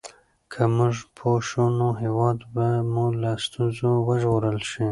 که موږ پوه شو نو هېواد به مو له ستونزو وژغورل شي.